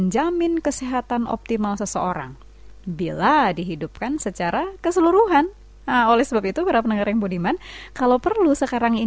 jadi resep ketiga adalah huruf l untuk liquids